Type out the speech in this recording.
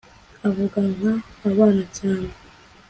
avuga nka abana cyane